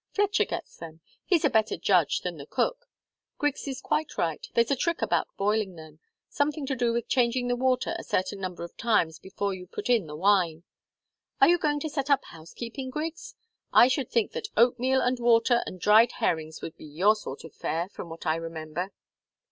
Fletcher gets them. He's a better judge than the cook. Griggs is quite right there's a trick about boiling them something to do with changing the water a certain number of times before you put in the wine. Are you going to set up housekeeping, Griggs? I should think that oatmeal and water and dried herrings would be your sort of fare, from what I remember."